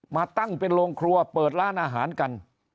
มาตั้งเป็นโรงครัวเปิดร้านอาหารกัน